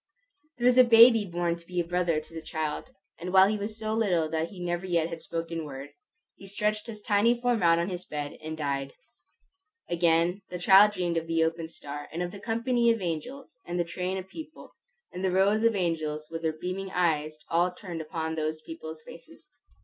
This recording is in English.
There was a baby born to be a brother to the child; and while he was so little that he never yet had spoken word, he stretched his tiny form out on his bed and died. Again the child dreamed of the opened star, and of the company of angels, and the train of people, and the rows of angels with their beaming eyes all turned upon those people's faces.